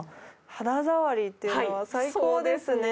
肌触りっていうのは最高ですね。